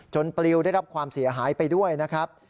ปลิวได้รับความเสียหายไปด้วยนะครับ